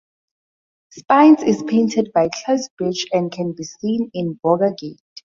Spines is painted by Claes Birch and can be seen in Borgergade.